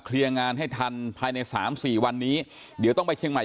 เคลียร์งานให้ทันภายใน๓๔วันนี้เดี๋ยวต้องไปเครื่องใหม่